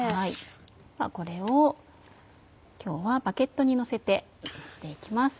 これを今日はバゲットにのせて盛って行きます。